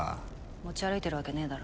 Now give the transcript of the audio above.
持ち歩いてるわけねぇだろ。